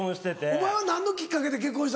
お前は何のきっかけで結婚した？